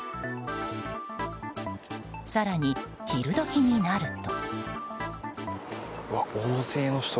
更に、昼時になると。